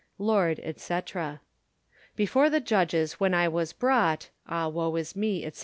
Lord, &c. Before the judges when I was brought, Ah woe is me, &c.